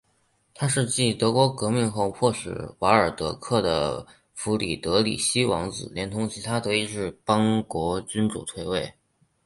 它是继德国革命后迫使瓦尔德克的弗里德里希王子连同其他德意志邦国君主退位。